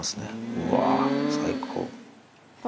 うわー、最高。